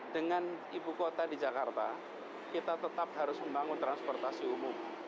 dengan ibu kota di jakarta kita tetap harus membangun transportasi umum